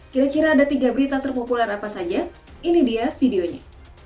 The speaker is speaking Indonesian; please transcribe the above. kira kira ada tiga berita terpopuler apa saja ini dia videonya